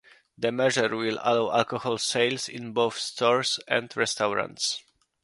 The measure will allow alcohol sales in both stores and restaurants.